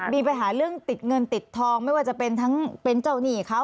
มีปัญหาเรื่องติดเงินติดทองไม่ว่าจะเป็นทั้งเป็นเจ้าหนี้เขา